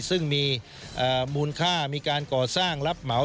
ซึ่งมีมูลค่ามีการก่อสร้างรับเหมา